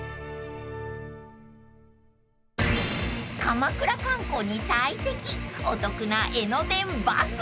［鎌倉観光に最適お得な江ノ電バス］